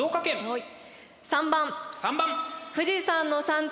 はい！